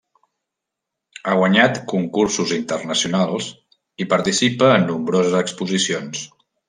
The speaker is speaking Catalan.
Ha guanyat concursos internacionals i participa en nombroses exposicions.